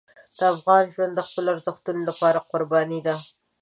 د افغان ژوند د خپلو ارزښتونو لپاره قرباني ده.